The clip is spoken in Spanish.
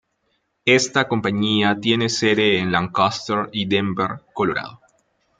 Esta compañía tiene sede en Lancaster y Denver, Colorado.